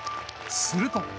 すると。